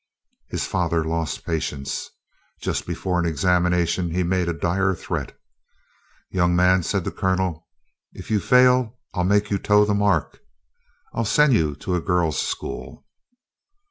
His father lost his patience. Just before an examination, he made a dire threat. "Young man," said the Colonel, "if you fail I'll make you toe the mark. I'll send you to a girl's school."